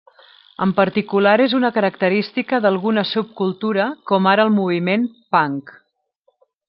En particular és una característica d'alguna subcultura com ara el moviment Punk.